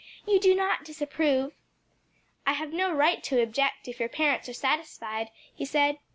"You do not disapprove?" "I have no right to object if your parents are satisfied," he said.